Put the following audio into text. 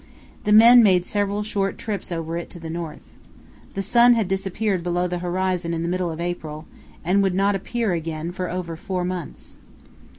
The men made several short trips over it to the north. The sun had disappeared below the horizon in the middle of April, and would not appear again for over four months.